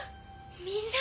みんな。